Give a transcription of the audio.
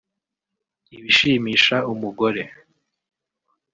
ibishimisha umugore